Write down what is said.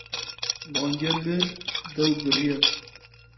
Mange mir dew biriya.